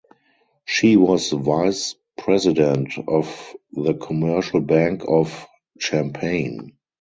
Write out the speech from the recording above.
She was vice president of the Commercial Bank of Champaign.